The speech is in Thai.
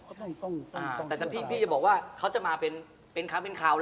เขาต้องกลับมาส่งเสริมให้เขาลงทุนพี่จะบอกว่าเขาจะมาเป็นครับเป็นคราว